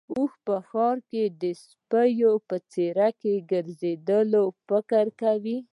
اوښ په ښار کې د سپي په څېر د ګرځېدو فکر کوي.